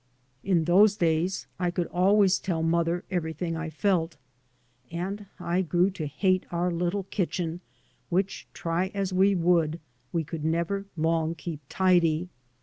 In those days I could 3 by Google MY. MOTHER AND I always tell mother everything I felt. And I grew to hate our little kitchen which try as we would, we could never long keep tidy.